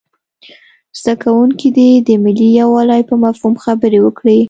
زده کوونکي دې د ملي یووالي په مفهوم خبرې وکړي.